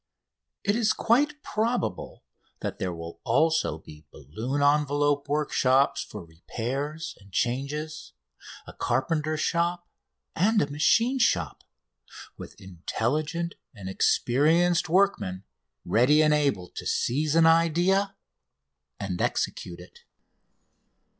It is quite probable that there will also be balloon envelope workshops for repairs and changes, a carpenter shop, and a machine shop, with intelligent and experienced workmen ready and able to seize an idea and execute it.